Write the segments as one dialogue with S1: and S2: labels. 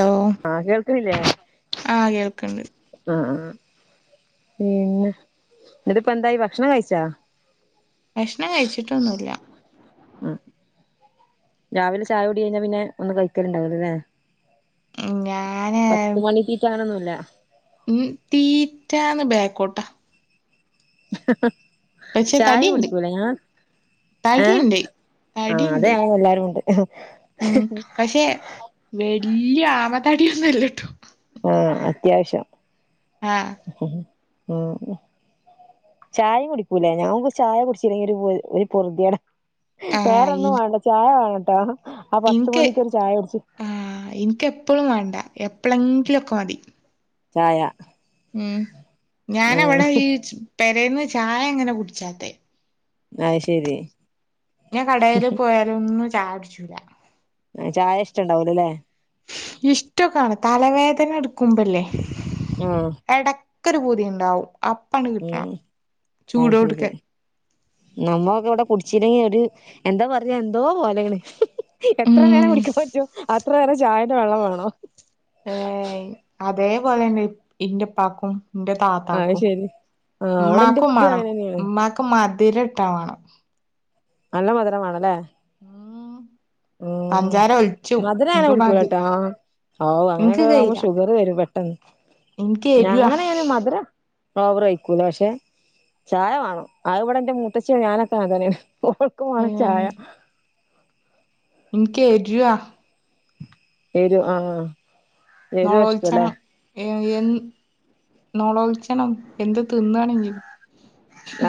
S1: Hello
S2: ആഹ് കേൾക്കണില്ലേ
S1: ആഹ് കേൾക്ക്ണ്ട്
S2: ആഹാ പിന്നെ എന്നിട്ട് ഇപ്പ എന്തായി ഭക്ഷണം കഴിച്ചാ
S1: ഭക്ഷണം കഴിച്ചിട്ടൊന്നുല്ല
S2: ഉം രാവിലെ ചായ കുടി കഴിഞ്ഞാ പിന്നെ ഒന്നും കഴിക്കല് ഇണ്ടാവില്ലല്ലേ
S1: ഞാന്
S2: പത്ത് മണി തീറ്റ അങ്ങനൊന്നുല്ല
S1: തീറ്റന്ന് ബേക്കോട്ടാ പക്ഷെ
S2: ചായ
S1: തടിണ്ട്
S2: കുടിക്കൂല ഇങ്ങള് ഏഹ്
S1: തടിണ്ട്
S2: ആഹ് അതെ
S1: തടിണ്ട്
S2: എല്ലാരുണ്ട്
S1: ഉം പക്ഷെ വല്യ ആമ തടി ഒന്നും ഇല്ലട്ടോ
S2: ആഹ അത്യാവ്ശ്യം
S1: ആഹ
S2: ആഹ് ചായും കുടിക്കൂല്ലേ ഞമക്ക് ഒര് ചായ കുടിച്ചില്ലെങ്കിൽ ഒരു ഒരു പൊർത്യേടാ
S1: ആഹ്
S2: വേറെൊന്നും
S1: ഇൻ
S2: വേണ്ട ചായ വേണട്ടോ ആ പത്ത് മണിക്കൊരു ചായ കുടിച്ചു
S1: ആഹ ഇൻക്ക് എപ്പഴും വേണ്ട എപ്പളെങ്കിലൊക്കെ മതി
S2: ചായ
S1: ഉം
S2: ഉം
S1: ഞാനവിടെ ഈ പെരേന്ന് ചായ ഇങ്ങനെ കുടിച്ചാത്തെ
S2: അത് ശരി
S1: ഞാൻ കടേല് പോയാലൊന്നും ചായ കുടിച്ചൂല
S2: ചായ ഇഷ്ട്ടണ്ടാവുലലെ
S1: ഇഷ്ട്ടൊക്കാണ് തലവേദന ഇട്ക്കുമ്പോ ഇല്ലേ
S2: ഉം
S1: എടക്കൊരു പുതി ഇണ്ടാവും അപ്പണ്ട് കിട്ടണം
S2: ഉം
S1: ചൂടോട്ക്കെ
S2: നമ്മളൊക്കെ ഇവിടെ കുടിച്ചില്ലെങ്കി ഒരു എന്താ പറയാ എന്തോ പോലേണ് എത്ര നേരം
S1: ഉം
S2: കുടിക്കാൻ പറ്റും അത്ര നേരം ചായേന്റെ വെള്ളം വേണം
S1: ഏഹ് അതേപോലെണ് ഇന്റെ ഉപ്പാക്കും ഇന്റെ
S2: അത്
S1: താത്താക്കും
S2: ശരി ആഹ് അവിടെ എന്റെ
S1: ഇമ്മാക്കും
S2: ഉപ്പി
S1: വേണം
S2: അങ്ങനെ തന്നെയാണ്
S1: ഇമ്മാക്ക് മധിരം ഇട്ട വേണം
S2: നല്ല മധുരം വേണലേ
S1: ഉം പഞ്ചാര ഒലിച്ചും ഇനിക്ക് മതി
S2: ഔ അങ്ങനെക്കെ ആമ്പോ ഷുഗറ് വരും പെട്ടെന്ന്
S1: ഇൻക്ക് എരുവാ
S2: ഞങ്ങനെ ഞാന് മധുരം ഓവറയിക്കൂല പക്ഷെ ചായവാണം ആവിടെ എന്റെ മൂത്തച്ഛിം ഞാനെക്കെ അങ്ങനതന്നേണ് ഓർക്കും വേണം
S1: ഉം
S2: ചായ
S1: ഇനിക്ക് എരുവാ
S2: എരു ആഹ് എരുവാ ഇഷ്ടല്ലേ
S1: [unintelligible] ഏ എ നോളോളിച്ചണം എന്ത് തിന്നാണെങ്കിലു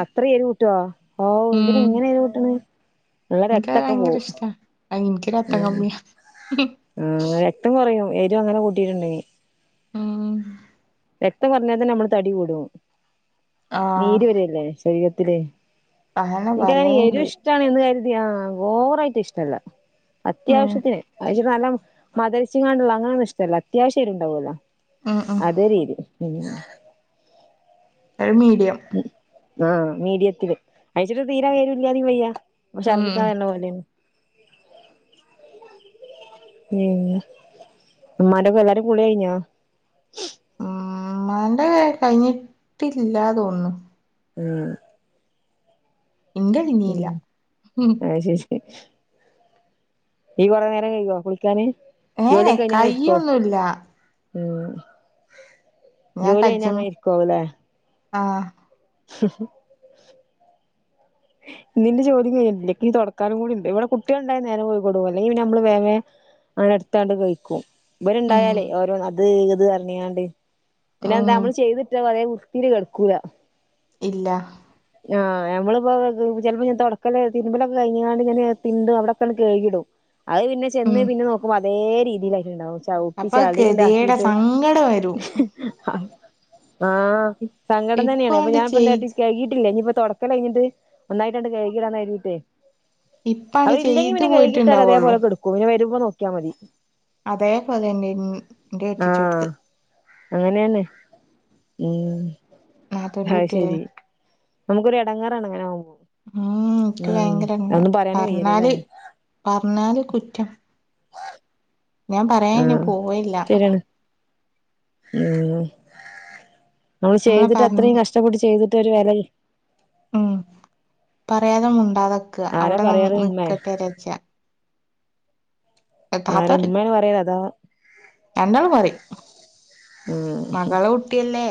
S2: അത്രെ എരി ഊട്ടുവോ ഓ എന്തിനാ
S1: ഉം
S2: ഇങ്ങനെ എരി ഊട്ടണെ നല്ല
S1: ഇൻക്കത്
S2: രക്തക്കെ
S1: ഭയങ്കര
S2: പോവും
S1: ഇഷ്ടാ അത് ഇൻക്ക് രക്തം കമ്മിയാ
S2: ഉം ആങ്ങനെ ക്തം കൊറയും എരിവങ്ങനെ കൂട്ടട്ടുണ്ടെങ്ങി
S1: ഉം
S2: രക്തം കൊറഞ്ഞാ തന്നെ നമ്മള് തടി കൂടും
S1: ആഹ്
S2: നീര് വരല്ലേ ശരീരത്തില്
S1: അങ്ങനെ
S2: എനിക്കങ്ങനെ എരു
S1: പറയണ്ട്
S2: ഇഷ്ടാണ് എന്ന് കരുതി ആഹ് ഓവറായിട്ട് ഇഷ്ടല്ല
S1: ഉം
S2: അത്യാവശ്യത്തിന് അയിച്ചിരി നല്ല മദിരിച്ചിങ്ങാണ്ടുള്ള അങ്ങനൊന്നു ഇഷ്ടല്ല അത്യാവശ്യ എരിവ്ണ്ടാവല്ലോ
S1: ഉം ഉം
S2: അതെ രീതി ഉം
S1: ഒരു മീഡിയം
S2: ആഹ് മീഡിയത്തില് അയച്ചിട്ട് തീര എരുല്യാതിം വയ്യ
S1: ഉം
S2: ഛർദ്ദിക്കാ
S1: ഉം
S2: വര്ണ പോലെയാണ് ഉം ഉമ്മാന്റൊക്കെല്ലാരും കുളി കയിഞ്ഞോ
S1: ഉം ഉമ്മാന്റെ കയ് കയ്ഞ്ഞിട്ടില്ലാ തോന്നുന്നു
S2: ഉം
S1: ഇന്റെ കഴിഞ്ഞില്ല
S2: ഉം
S1: ഉം
S2: അയ്ശരി ഈ കൊറേ നേരം കയുവോ കുളിക്കാന്
S1: ഏഹ്
S2: ജോലിയൊക്കെ കഴിഞ്ഞ് അങ്ങനെ ഇരിക്കോ
S1: കയൊന്നുല്ല
S2: ഉം
S1: ഞാൻ
S2: ജോലി കഴിഞ്ഞ
S1: കജം
S2: അങ്ങനെ ഇരിക്കാവുല്ലേ
S1: ആഹ്
S2: [unintelligible]
S1: [inaudible]
S2: ഇന്നിന്റെ ജോലിം കയ്യണില്ല ക്കിനി തൊടക്കാനും കൂടിണ്ട് ഇവ്ടെ കുട്ടികള്ണ്ടായ നേരം പോയിക്കൊടുക്കു അല്ലെങ്കി പിന്നമ്മള് വേം വേം അന അടുത്താണ്ട് കയ്ക്കു
S1: ഉം
S2: ഇവര്ണ്ടായാലേ ഓരോന്ന്, അത്, ഇത് പറഞ്ഞിയാണ്ട്, പിന്നെ
S1: ഉം
S2: എന്താ നമ്മള് ചെയ്തിട്ടാ പറയും [unintelligible] കെടക്കൂല
S1: ഇല്ല
S2: ആഹ് ഞമ്മളിപ്പോ ചെലപ്പോ ഞാൻ തൊടക്കല്, തിരുമ്പലൊക്കെ കഴിഞ്ഞ്ങാണ്ട് ഞാന് തിണ്ടും അവിടൊക്കട് കഴികീടും അത് പിന്നെ
S1: ഉം
S2: ചെന്ന്, പിന്നെ നോക്കുമ്പോ അതേ രീതിലായിട്ട്ണ്ടാവും. ചവുട്ടി
S1: അപ്പൊ ഗതികേടാ
S2: ചളിണ്ടാക്കിട്ട്
S1: സങ്കടം വരും
S2: ആഹ് സങ്കടംതന്നെയാണ് ഇപ്പം
S1: ഇപ്പാണ്ട്
S2: ഞാൻ ഇപ്പം
S1: ചെയ്
S2: എന്താക്കിന്ന് കഴികിട്ടില്ല. ഇനീപ്പൊ തൊടക്കല് കഴിഞ്ഞിട്ട് ഒന്നായിട്ടങ്ങട് കഴികിടാന്ന് കരുതീട്ടേ.
S1: ഇപ്പാണ്ട്
S2: അവരില്ലെങ്കി
S1: ചെയ്തു
S2: പിന്നെ കഴ്കീട്ടാൽ
S1: പോയിട്ടുണ്ടാവുള്ളൂ
S2: അതേപോലെ കെടക്കും. പിന്നെ വരുമ്പോ നോക്കിയാ മതി.
S1: അത പോല്ലന്നെയാ എൻ്റെ കെട്ടിച്ചോടുത്ത്..
S2: ആഹ് അങ്ങനെയാണ്. ഉം
S1: ആത്തുന്റെ
S2: അത്
S1: കുട്ടിയല്ലേ
S2: ശരി നമുക്കൊരു എടങ്ങാറാണ് അങ്ങനാമ്പോ.
S1: ഉം ഇൻക്ക്
S2: ഉം
S1: ഭയങ്കര എടങ്ങേറാ.
S2: അതൊന്നും പറയാനും വയ്യല്ലോല്ലേ
S1: പറഞ്ഞാല് പറഞ്ഞാല് കുറ്റം ഞാൻ പറയാനന്
S2: ആഹ്
S1: പോവേയില്ല
S2: ശരിയാണ് ഉം നമ്മള്
S1: നമ്മളെ
S2: ചെയ്തിട്ട്, അത്രയും
S1: പറഞ്ഞ്
S2: കഷ്ടപ്പെട്ട് ചെയ്തിട്ട് ഒരു വെലയും.
S1: ഉം. പറയാതെ മുണ്ടാതെക്കാ.
S2: ആരാ
S1: അവടെ
S2: പറയാറ് ഉമ്മേ
S1: നിക്കട്ടെ വിചാരിച്ചാ
S2: ആരാ ഉമ്മേണ് പറയാറ് അതാ
S1: [unintelligible]
S2: ഉം. ഹും.
S1: മകളെ കുട്ടിയല്ലേ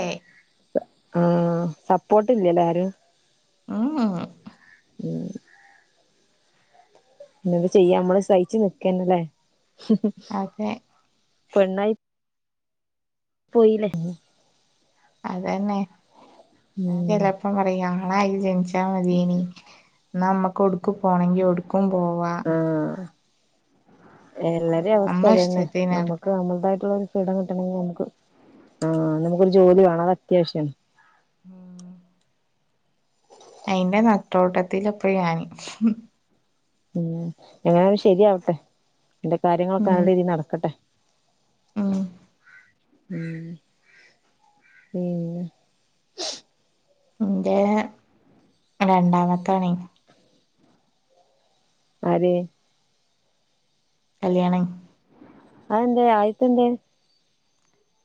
S2: ഉം. സപ്പോർട്ട് ഇല്ലല്ലേ ആരും?
S1: ഉം. ഉം.
S2: പിന്നെ എന്ത് ചെയ്യാ? നമ്മള് സഹിച്ചു നിക്കന്നേ ല്ലേ?
S1: അതെ
S2: പെണ്ണായി പോയില്ലേ
S1: അതന്നെ. ഞാൻ
S2: ഉം
S1: ചിലപ്പം പറയും ആണായി ജനിച്ചാ
S2: ഉം
S1: മതിയേനി ന്നാ നമ്മക്ക് എവിട്ക്കും പോണങ്കിൽ ഓട്ക്കും പൂവ്വാ.
S2: എല്ലാരേയും അവസ്ഥ
S1: നമ്മളെ
S2: അത് തന്നെ.
S1: ഇഷ്ടത്തിന്
S2: നമ്മുക്ക്
S1: നടക്കാം
S2: നമ്മളതായിട്ടുള്ളൊരു ഇടം കിട്ടണെങ്കി നമുക്ക്, ആ നമുക്ക് ഒരു ജോലി വേണം. അത് അത്യാവശ്യം ആണ്.
S1: ആഹ് അയിന്റെ നെട്ടോട്ടത്തിലാപ്പ ഞാന്
S2: ഉം. എങ്ങനെയെങ്കിലും ശരിയാവട്ടെ. അന്റെ കാര്യങ്ങളൊക്കെ
S1: ഉം
S2: നല്ല രീതിയിൽ നടക്കട്ടെ.
S1: ഉം
S2: ഉം ഉം
S1: ന്റെ രണ്ടാമത്താണേ
S2: ആര്
S1: കല്യാണം
S2: അതെന്തേ? ആദ്യത്തെ എന്തേ?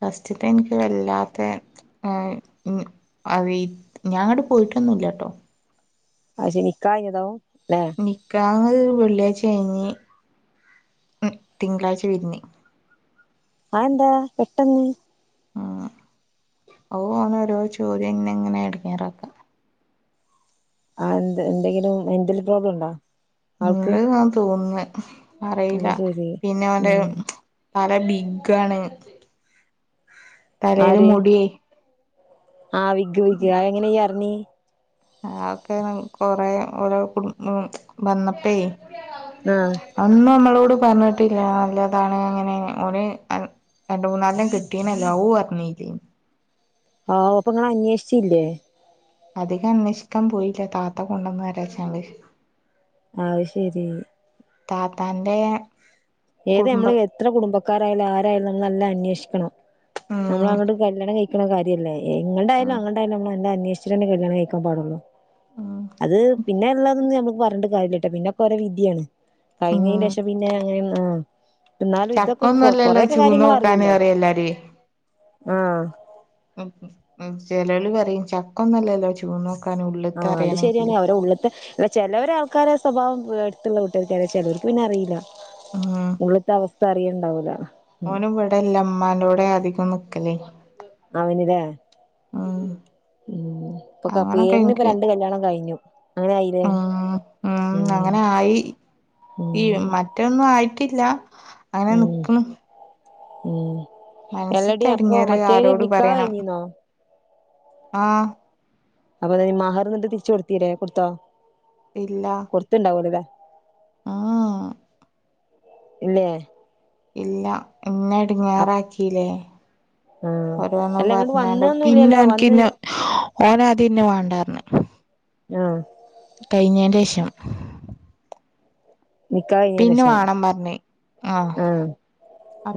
S1: ഫസ്റ്റത്തെ എനിക്ക് വല്ലാത്തേ ആഹ് ഉം അവി ഞാൻങ്ങട് പോയിട്ടൊന്നുംല്ല ട്ടോ
S2: അത് ശരി. നിക്കാഹ് കഴിഞ്ഞതാവും അല്ലേ?
S1: നിക്കാഹ് വെള്ളിയാഴ്ച കഴിഞ്ഞ്. ഉം തിങ്കളാഴ്ച പിരിഞ്ഞ്.
S2: അതെന്താ? പെട്ടെന്ന്?
S1: ഉം. ഓൻ ഓനോരോ ചോദ്യം ഇങ്ങനെങ്ങനെ എടങ്ങാറാക്കുക.
S2: അത് എന്ത്? എന്തെങ്കിലും മെന്റൽ പ്രോബ്ലം ഉണ്ടോ ആൾക്ക്?
S1: തോന്നുന്നു.
S2: അത്
S1: അറയില്ല.
S2: ശരി
S1: പിന്നെ ഓന്റെ
S2: ഉം
S1: ആള് ബിഗ്ഗാണ്, തലയില്
S2: ആര്
S1: മുടിയേ
S2: ആഹ് വിഗ് വിഗ്. അതെങ്ങനെ ഇയ്യ് അറിഞ്ഞി?
S1: അതൊക്കെ കൊറേ ഓരോ കുടും ഉം വന്നപ്പേ
S2: ആഹ്
S1: ഒന്നും നമ്മളോട് പറഞ്ഞിട്ടില്ല. നല്ലതാണ് അങ്ങനെ ഓന് രണ്ട് മൂന്നാലെണ്ണം കെട്ടീന്. ലൗവ് പറഞ്ഞിക്ക്.
S2: ആവൂ അപ്പ ഇങ്ങള് അന്വേഷിച്ചില്ലേ?
S1: അധികം അന്വേഷിക്കാൻ പോയില്ല താത്ത കൊണ്ടന്നതല്ലേ വച്ചാല്.
S2: അത് ശരി
S1: താത്താന്റെ
S2: ഏത്നമ്മള്
S1: കുടുംബം
S2: എത്ര കുടുംബക്കാരായാലും ആരായാലും നമ്മൾ നല്ലോം അന്വേഷിക്കണം.
S1: ഉം
S2: നമ്മളങ്ങട്ട് കല്യാണം കഴിക്ക ക്കണ കാര്യല്ലേ? എങ്ങടായാലും
S1: ഉം
S2: അങ്ങടായാലും അമ്മള് നല്ലോം അന്വേഷിച്ചിട്ടന്നേ കല്യാണം കഴിക്കാൻ പാടോള്ളൂ
S1: ഉം
S2: അത് പിന്നെള്ളതൊന്നും ഞമ്മക്ക് പറഞ്ഞിട്ട് കാര്യല്ലട്ടോ. പിന്നെക്കെ ഒരോ വിധ്യാണ്.
S1: ഉം
S2: കഴിഞ്ഞേൻ്റെഷം പിന്നെ അങ്ങനേം. ആഹ് എന്നാലും ഇതൊക്കെ കൊ
S1: ചക്കൊന്നുംല്ലല്ലോ
S2: കൊറയക്കെ
S1: ചൂന്ന് നോക്കാന്
S2: കാര്യങ്ങളറിയല്ലോ.
S1: പറയും എല്ലാരുവേ
S2: ആഹ്.
S1: ഉം ഉം ചെലോല് പറയും ചക്കൊന്നുംല്ലല്ലോ ചൂഴ്ന്നോക്കാൻ
S2: ആഹ് അത് ശര്യാണ്. അവരുടെ ഉള്ള്ത്തെ അല്ല ചെലോര് ആൾക്കാരെ സ്വഭാവം ഏഹ് അട്ത്തുള്ള വീട്ടോർക്കറിയാം. ചെലോർക്ക് പിന്നെ അറിയില്ല.
S1: ഉം
S2: നമ്മള് ഇപ്പഅവസ്ഥ അറിയൽണ്ടാവൂല.
S1: ഓനും ഇവിടെ ഇല്ല. ഇമ്മാൻ്റോടെ അധികം നിക്കലെ.
S2: അവന് ലെ.
S1: ഉം.
S2: ഉം ഇപ്പൊ
S1: അങ്ങനൊക്കെ
S2: പേരിന് ഇപ്പൊ
S1: ഇൻക്ക്
S2: രണ്ട് കല്യാണം കഴിഞ്ഞു. അങ്ങനെ ആയിലെ.
S1: ഉം ഉം അങ്ങനെ ആയി. ഈ
S2: ഉം.
S1: മറ്റൊന്നും ആയിട്ടില്ല. അങ്ങനെ
S2: ഉം.
S1: നിക്ക്ണ്
S2: എല്ലടി
S1: മനസ്സ്ത്തെ
S2: അപ്പൊ
S1: എടങ്ങേറ്
S2: മറ്റേനെ
S1: ആരോട്
S2: നിക്കാഹ്
S1: പറയണം
S2: കഴിഞ്ഞീന്നോ.
S1: ആഹ്.
S2: അപ്പൊ പിന്നെ മഹർ ഇന്നട്ട് തിരിച്ചു കൊടുത്തീല്ലെ. കൊടുത്തൊ
S1: ഇല്ല
S2: കൊട്ത്തീണ്ടാവൂലലെ.
S1: ഉം ഉം
S2: ഇല്ലെ.
S1: ഇല്ല ഇന്നെ
S2: അപ്
S1: എട്ങ്ങേറാക്കീലെ.
S2: ആഹ്
S1: ഓരോന്ന്
S2: അല്ല ഇങ്ങട്ട്
S1: പറഞ്ഞാണ്ട്. പിന്നെ
S2: വന്നൊന്നുംല്ലല്ലോ വന്ന്
S1: ഓൻക്കിന്നെ ഓനാദ്യം ഇന്നെ വാണ്ടാർ ഞ്ഞ്.
S2: ഉം.
S1: കഴിഞ്ഞേന്റേഷം.
S2: നിക്കാഹ് കഴിഞ്ഞേന്
S1: പിന്നെ
S2: ശേഷം
S1: വാണം പറഞ്ഞ്. ആഹ്.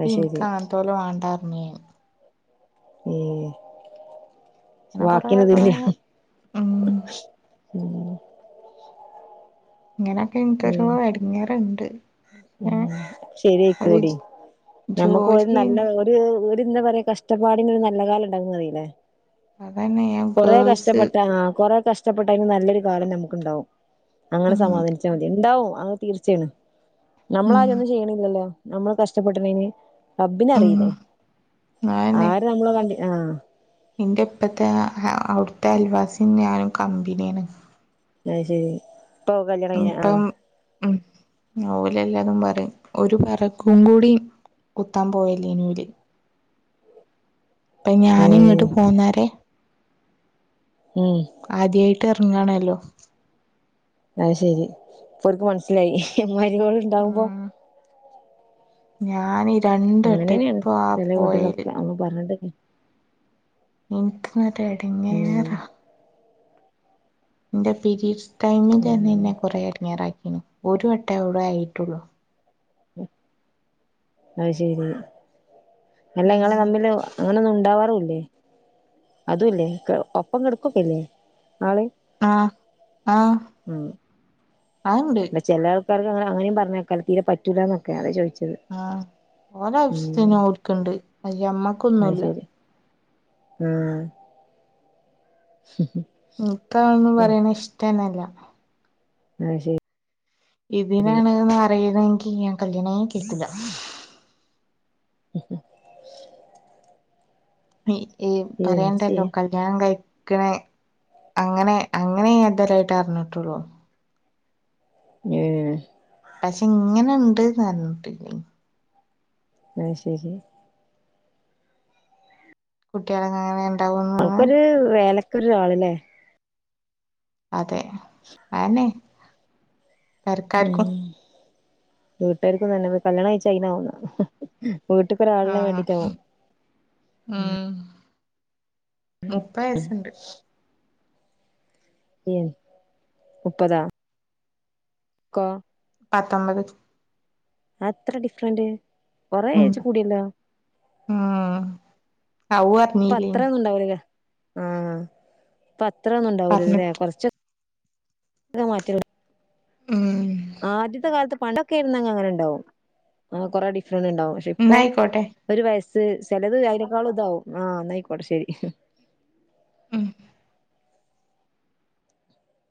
S2: അത്
S1: ഇൻക്ക്
S2: ശരി
S1: അങ്ങൻത്തോലെ വാണ്ടാറ്ഞ്ഞ് ഞാൻ.
S2: ഉം
S1: അങ്ങനെ കൊറേ കൊറേ
S2: വാക്കിനെതിരെ.
S1: ഉം
S2: ഉം
S1: ഇങ്ങനൊക്കെ ഇൻക്കൊരു എടങ്ങാറ് ഇണ്ട്.
S2: ശെരി ആയിക്കോളു എടി. നമ്മുക്ക് ഒരു
S1: ജോലി
S2: നല്ല ഓരു ഇന്നെ പറിം. കഷ്ടപ്പാടിന് ഒരു നല്ല കാലണ്ടാകുന്നറിലെ.
S1: അതന്നെ ഞാൻ
S2: കൊറേ
S1: ഗേൾസ്
S2: കഷ്ടപ്പെട്ട. ആ കൊറെ കഷ് കഷ്ടപ്പെട്ടാലും നല്ലൊരു കാലം നമുക്കുണ്ടാവും. അങ്ങനെ
S1: ഉം
S2: സമാദാനിച്ചാൽ മതി. ഇണ്ടാവും അങ്ങനെ തീർച്ചയാണ്. നമ്മളെ
S1: ഉം
S2: ആര് ഒന്നും ചെയ്യ്ണില്ലല്ലോ. നമ്മള് കഷ്ടപ്പെട്ണേന്.
S1: ഉം
S2: റബ്ബിനറീലെ.
S1: അതന്നെ
S2: ആര് നമ്മള് കണ്ട് ആ.
S1: ഇന്റെ ഇപ്പത്തെ അവിടുത്തെ അൽവാസിയും, ഞാനും കമ്പിനി ആണ്.
S2: അഹ് ശെരി ഇപ്പൊ കല്യാണം കഴിഞ്ഞ
S1: ഇപ്പം ഉം ഓല് എല്ലതും പറയും. ഒരു വ ബെറകും കൂടി. കുത്താൻ പോവല്ലേനി ഓല്. അപ്പൊ
S2: ഉം
S1: ഞാനിങ്ങട്ട് പോന്നാരെ.
S2: ഉം
S1: ആദ്യായിട്ട് എറങ്ങാണല്ലൊ.
S2: അത് ശെരി. ഇപ്പോർക്ക് മനസ്സിലായി. മര്യാള് ഇണ്ടാകുമ്പൊ.
S1: ഞാൻ രണ്ട് വട്ടം. ഇപ്പ ആ പോയേല്.
S2: അന്ന്. പറ്ഞ്ഞ്ട്ടെല്ലെ.
S1: ഇൻക്ക് ഇന്നട്ട് എടങ്ങേറ.
S2: ഉം
S1: ഇന്റെ പീരീഡ്സ് ടൈമിലെന്നെ
S2: ഉം
S1: ഇന്നെ കൊറേ എട്ങ്ങേറാക്കിന്. ഒരു വട്ടേ ഔടെ ആയിട്ടുള്ളു.
S2: ഉം അത് ശെരി. അല്ല ഇങ്ങളെ
S1: ഉം
S2: തമ്മില്. അങ്ങനൊന്നും ഇണ്ടാവാറുല്ലെ. അതില്ലെ. ഒപ്പം കെട്ക്കൊക്കെല്ലെ ആള്.
S1: ആഹ് ആഹ്
S2: ഉം
S1: അതുണ്ട്.
S2: അല്ല ചെല ആൾക്കാർക്ക് അങ്ങനെ അങ്ങനിം പറ്ഞ്ഞേയ്ക്കാലൊ. തീരെ പറ്റൂലന്നൊക്കെ. അതാ ചോദിച്ചത്.
S1: ഓര
S2: ഉം
S1: ആവശ്യത്തിന് ഓരുക്കുണ്ട് അയില്
S2: അത്
S1: അമ്മക്കൊന്നുംല്ല
S2: ശരി ആഹ്
S1: എനിക്കതൊന്നും
S2: അത്
S1: പറയണ ഇഷ്ടൊന്നൂല്ല
S2: അത് ശെരി
S1: ഇതിനാണന്ന് അറിയുന്നെങ്കിൽ ഞാൻ കല്യാണേ കയ്ക്കൂല്ല ഈ
S2: എന്ത്
S1: പറയണ്ടല്ലോ
S2: ചെയ്യാ
S1: കൽ ഞാൻ കഴിക്കണെ അങ്ങനെ അങ്ങനെ ഞാനിതരായിട്ട് അറിഞ്ഞിട്ടുള്ളൂ
S2: ഏഹ്
S1: പക്ഷെ ഇങ്ങനിണ്ട് എന്ന് അറിഞ്ഞിട്ടില്ല
S2: അത് ശെരി
S1: കുട്ടികൾ അങ്ങനെ വേ
S2: നമുക്കൊരു വേലക്കൊരു ആളല്ലേ
S1: അതെ ആന്നെ
S2: ഉം വീട്ടുകാർക്കും നല്ലത് കല്യാണം കഴിച്ച് കഴിഞ്ഞോന്ന് വീട്ടിപ്പറ
S1: ആഹ് ഉം മുപ്പത് വയസുണ്ട്
S2: ഉം മുപ്പതാ [unintelligible]
S1: പത്തൊമ്പത്
S2: അതെത്ര ഡിഫറന്റ് കൊറേ
S1: ഉം
S2: എയിജ് കൂടിയല്ലോ
S1: ഉം അവു
S2: ഇപ്പൊ
S1: അറിഞ്ഞീല്ലേ
S2: അത്ര ഒന്നുണ്ടാവലില്ല ആഹ് ഇപ്പൊ അത്ര ഒന്നുംണ്ടാവലില്ലേ
S1: പറഞ്ഞിട്ട്
S2: കുറച്ച്
S1: ഉംഹ്
S2: ആദ്യത്തെ കാലത്ത് പണ്ടൊക്കെ ആരുന്നെങ്കി അങ്ങനെ ഉണ്ടാവും ആഹ് കൊറേ ഡിഫറന്റ് ഉണ്ടാവും പക്ഷെ ഇപ്പൊ
S1: എന്നായിക്കോട്ടെ
S2: ഒരു വയസ്സ് ചിലത് അതിനേക്കാളും ഇതാവും ആഹ് എന്നായിക്കോട്ടെ ശെരി
S1: ഉം